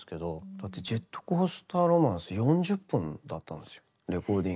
だって「ジェットコースター・ロマンス」４０分だったんですよレコーディング。